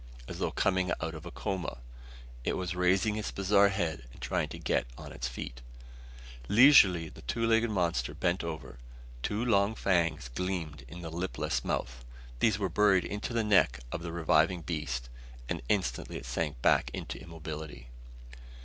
As though coming out of a coma, it was raising its bizarre head and trying to get on its feet. Leisurely the two legged monster bent over it. Two long fangs gleamed in the lipless mouth. These were buried in the neck of the reviving beast and instantly it sank back into immobility.